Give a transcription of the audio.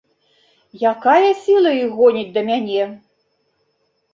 Якая сіла іх гоніць да мяне?